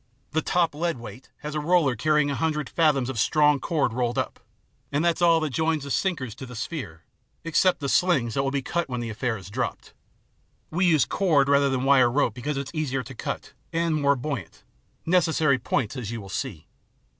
The top lead weight has a roller carrying a hundred fathoms of strong cord rolled up, and that's all that joins the sinkers to the sphere, except the slings that will be cut when the affair is dropped. We use cord rather IN THE ABYSS 75 than wire rope because it's easier to cut and more buoyant necessary points, as you will see.